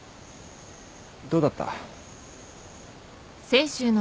どうだった？